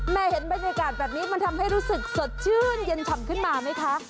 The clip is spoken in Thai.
เห็นบรรยากาศแบบนี้มันทำให้รู้สึกสดชื่นเย็นฉ่ำขึ้นมาไหมคะ